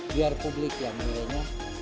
biar publik yang mengiranya